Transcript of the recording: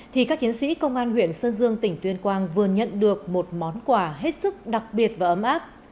thì các chiến sĩ công an huyện sơn dương tỉnh tuyên quang vừa nhận được một món quà hết sức đặc biệt và ấm áp